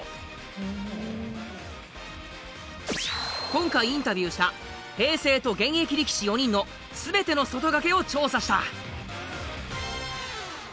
今回インタビューした平成と現役力士４人の全ての外掛けを調査した。